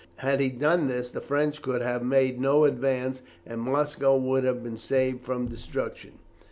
Had he done this, the French could have made no advance, and Moscow would have been saved from destruction.